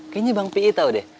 kayaknya bang pi tau deh